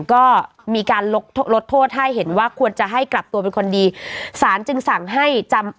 ก็มีการลดโทษลดโทษให้เห็นว่าควรจะให้กลับตัวเป็นคนดีสารจึงสั่งให้จำ